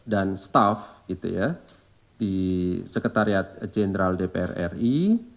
dan staf di sekretariat jenderal dpr ri